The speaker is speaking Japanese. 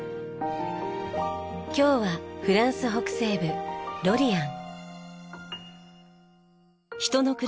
今日はフランス北西部ロリアン。